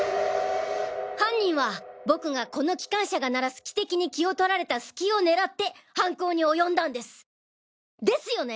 犯人は僕がこの汽関車が鳴らす汽笛に気を取られた隙を狙って犯行に及んだんです！ですよね？